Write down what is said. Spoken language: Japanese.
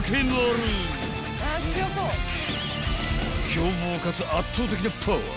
［凶暴かつ圧倒的なパワー］